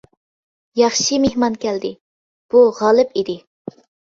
— ياخشى مېھمان كەلدى، — بۇ غالىپ ئىدى.